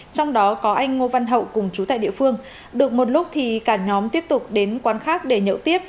trong đó có anh ngô văn hậu cùng chú tại địa phương được một lúc thì cả nhóm tiếp tục đến quán khác để nhậu tiếp